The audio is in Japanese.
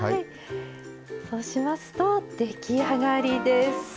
そうしますと出来上がりです。